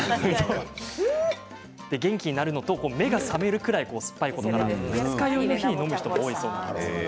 元気になるのと目が覚めるぐらい酸っぱいので飲んだ翌日に飲む人が多いそうです。